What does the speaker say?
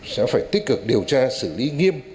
sẽ phải tích cực điều tra xử lý nghiêm